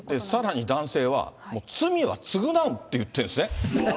さらに男性は、罪は償うって言ってるんですね。